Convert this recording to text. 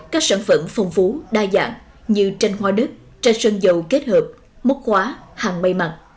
các sản phẩm phong phú đa dạng như tranh hoa đức tranh sơn dầu kết hợp mốc khóa hàng mây mặt